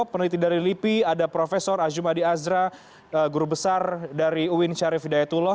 peneliti dari lipi ada prof azumadi azra guru besar dari uin syarif hidayatullah